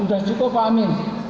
sudah cukup pak amin